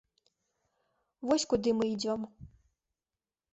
Вось куды мы ідзём.